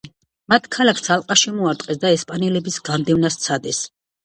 მათ ქალაქს ალყა შემოარტყეს და ესპანელების განდევნა სცადეს.